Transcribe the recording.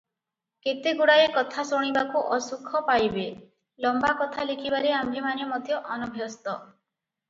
କେତେଗୁଡ଼ାଏ କଥା ଶୁଣିବାକୁ ଅସୁଖ ପାଇବେ, ଲମ୍ବା କଥା ଲେଖିବାରେ ଆମ୍ଭେମାନେ ମଧ୍ୟ ଅନଭ୍ୟସ୍ତ ।